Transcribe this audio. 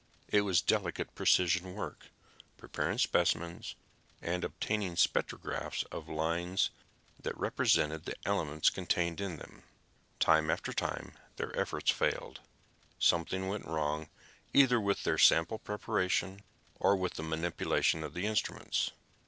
It was delicate precision work, preparing specimens and obtaining spectrographs of the lines that represented the elements contained in them. Time after time, their efforts failed. Something went wrong either with their sample preparation, or with their manipulation of the instruments.